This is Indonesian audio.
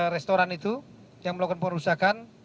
restoran itu yang melakukan perusahaan